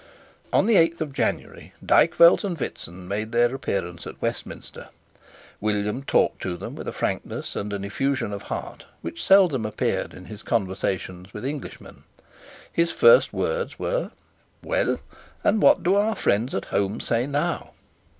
On the eighth of January Dykvelt and Witsen made their appearance at Westminster. William talked to them with a frankness and an effusion of heart which seldom appeared in his conversations with Englishmen. His first words were, "Well, and what do our friends at home say now?"